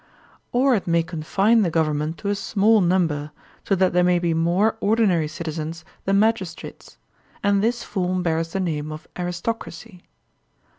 Or it may confine the government to a small number, so that there may be more ordinary citizens than magis trates; and this form bears the name of aristocracy.